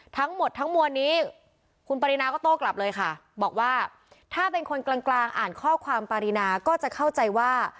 ทั้งหมดทั้งมวลนี้คุณปรินาก็โต้กลับเลยค่ะบอกว่าถ้าเป็นคนกลางอ่านข้อความปารีนาก็จะเข้าใจว่า